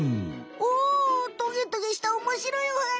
おトゲトゲしたおもしろいお花。